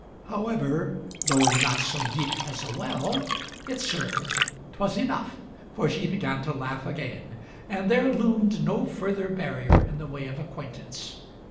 However, "though not so deep as a well," it served, 'twas enough, for she began to laugh again, and there loomed no further barrier in the way of Digitized by Google MARY SMITH 139 acquaintance.